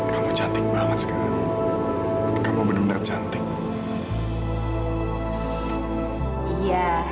sampai jumpa di video selanjutnya